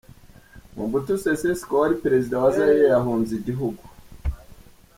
Mobutu Sese Seko, wari perezida wa Zaire yahunze igihugu.